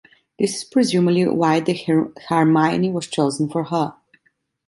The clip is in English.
This is presumably why the name Hermione was chosen for her.